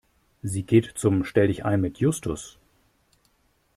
Sie geht zum Stelldichein mit Justus.